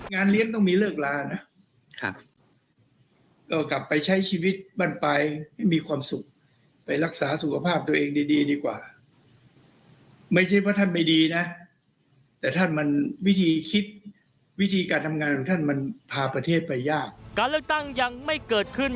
การเลือกตั้งยังไม่เกิดขึ้น